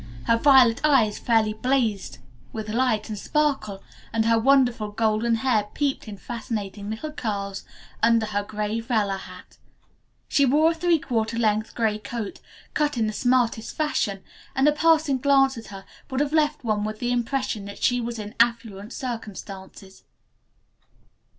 Her violet eyes fairly blazed with light and sparkle, and her wonderful golden hair peeped in fascinating little curls from under her gray velour hat. She wore a three quarter length gray coat, cut in the smartest fashion, and a passing glance at her would have left one with the impression that she was in affluent circumstances.